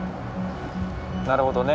なるほどね。